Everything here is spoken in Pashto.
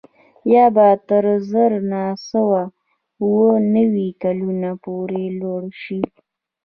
یا به تر زر نه سوه اووه نوي کلونو پورې لوړ شي